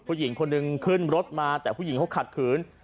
ผู้หญิงคนหนึ่งขึ้นรถมาแต่ผู้หญิงเขาขัดขืน